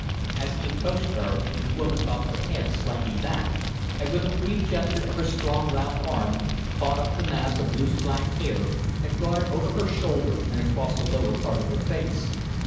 As he approached her the woman tossed her head slightly back, and with a free gesture of her strong, round arm, caught up the mass of loose black hair and brought it over her shoulder and across the lower part of her face.